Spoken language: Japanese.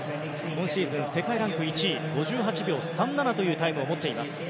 今シーズン、世界ランク１位５８秒３７というタイムを持っています。